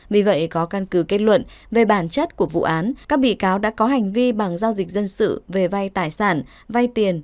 vì vậy có căn cứ kết luận về bản chất của vụ án các bị cáo đã có hành vi bằng giao dịch dân sự về vay tài sản vay tiền